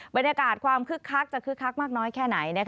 บรรยากาศความคึกคักจะคึกคักมากน้อยแค่ไหน